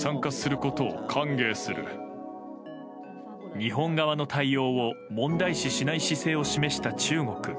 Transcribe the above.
日本側の対応を問題視しない姿勢を示した中国。